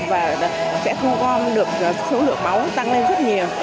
và sẽ thu gom được số lượng máu tăng lên rất nhiều